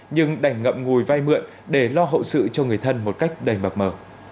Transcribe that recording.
nhưng đành ngậm ngùi vai mượn để lo hậu sự cho người thân một cách đầy mập mờ